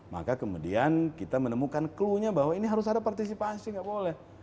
maka kemudian kita menemukan clue nya bahwa ini harus ada partisipasi nggak boleh